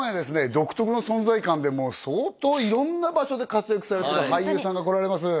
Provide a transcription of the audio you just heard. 独特の存在感でもう相当色んな場所で活躍されてる俳優さんが来られます